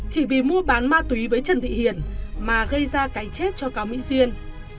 chỉ vì mua bán ma túy với trần thị hiền mà gây ra cái chết cho cao mỹ duyên